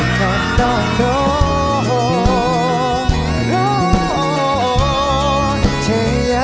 ไปชมกันได้เลย